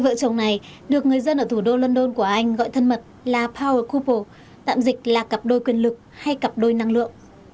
vợ chồng này được người dân ở thủ đô london của anh gọi thân mật là power goople tạm dịch là cặp đôi quyền lực hay cặp đôi năng lượng